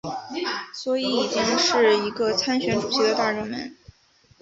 所以已经是一个参选主席的大热门。